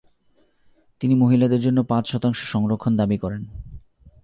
তিনি মহিলাদের জন্য পাঁচ শতাংশ সংরক্ষণ দাবি করেন।